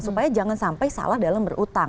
supaya jangan sampai salah dalam berutang